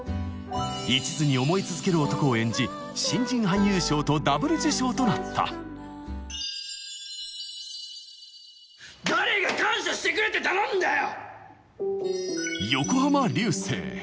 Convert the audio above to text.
いちずに想い続ける男を演じ新人俳優賞とダブル受賞となった誰が感謝してくれって頼んだよ！